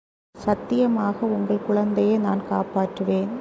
சத்தியமாக உங்கள் குழந்தையை நான் காப்பாற்றுவேன்.